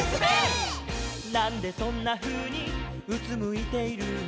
「なんでそんなふうにうつむいているの」